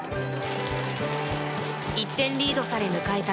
１点リードされ迎えた